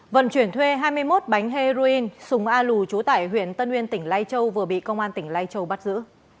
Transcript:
vận chuyển thuê hai mươi một bánh heroin sùng a lù chú tải huyện tân nguyên tỉnh lai châu vừa bị công an tỉnh lai châu bắt giữ